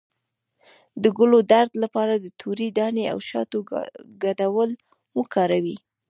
د ګلو درد لپاره د تورې دانې او شاتو ګډول وکاروئ